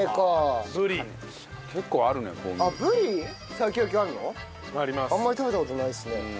あんまり食べた事ないですね。